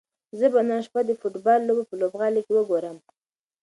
زه به نن شپه د فوټبال لوبه په لوبغالي کې وګورم.